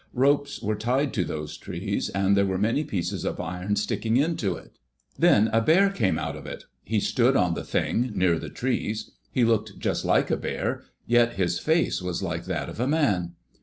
Ropes were tied to those trees, and there were many pieces of iron sticking into it.^ Then a bear came out of it. He stood on the Thing, near the trees. He looked just like a bear, yet his face was like that of a man.